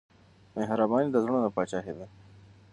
مهرباني د زړونو پاچاهي ده.